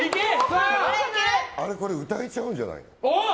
これ歌えちゃうんじゃないの？